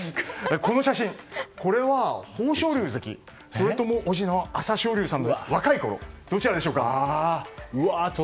この写真は豊昇龍関、それとも叔父の朝青龍さんの若いころどちらでしょうか。